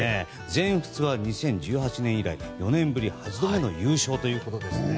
全仏は２０１８年以来４年ぶり８度目の優勝ということです。